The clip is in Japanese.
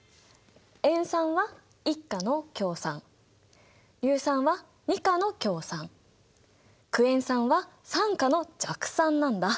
塩酸は１価の強酸硫酸は２価の強酸クエン酸は３価の弱酸なんだ。